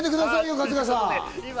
春日さん。